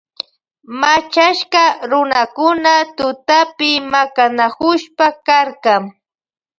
Machashka runakuna tutapi makanakushpa karka.